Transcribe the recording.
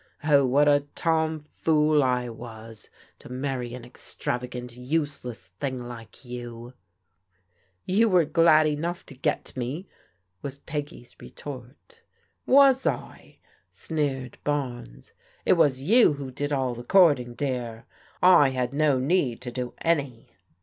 Oh, what a tom fool I was to marry an extravagant, use less thing like you !"" You were glad enough to get me," was Peggy's re tort. " Was I? " sneered Barnes. " It was you who did all the courting, dear. I had no need to do any."